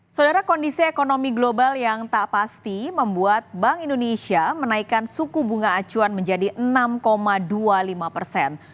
saudara kondisi ekonomi global yang tak pasti membuat bank indonesia menaikkan suku bunga acuan menjadi enam dua puluh lima persen